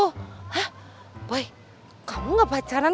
hah boy kamu gak pacaran